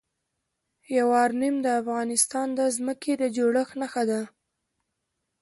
یورانیم د افغانستان د ځمکې د جوړښت نښه ده.